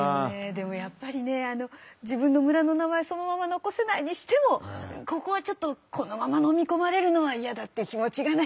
でもやっぱりね自分の村の名前そのまま残せないにしてもここはちょっとこのまま飲み込まれるのは嫌だっていう気持ちがね